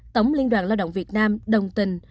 tổng liên đoàn lao động việt nam đồng tình